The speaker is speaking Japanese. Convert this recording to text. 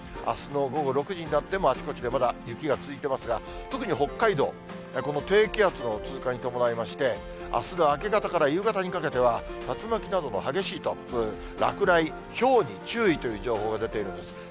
あすの午後６時になっても、あちこちでまだ雪が続いてますが、特に北海道、この低気圧の通過に伴いまして、あすの明け方から夕方にかけては、竜巻などの激しい突風、落雷、ひょうに注意という情報が出ているんです。